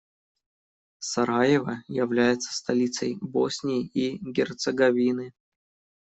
Сараево является столицей Боснии и Герцеговины.